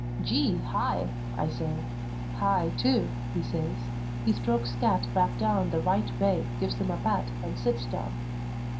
"Gee, hi!" I say. "Hi, too," he says. He strokes Cat back down the right way, gives him a pat, and sits down.